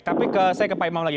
tapi saya ke pak imam lagi